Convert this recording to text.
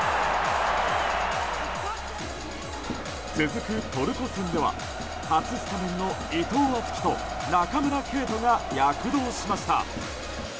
続くトルコ戦では初スタメンの伊藤敦樹と中村敬斗が躍動しました。